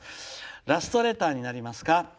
ラストレターになりますか。